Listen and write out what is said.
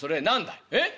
「えっ？